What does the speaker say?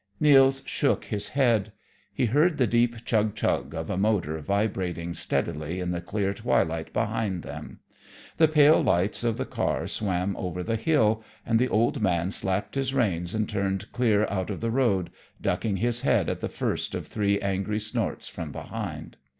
Nils shook his head. He heard the deep chug chug of a motor vibrating steadily in the clear twilight behind them. The pale lights of the car swam over the hill, and the old man slapped his reins and turned clear out of the road, ducking his head at the first of three angry snorts from behind.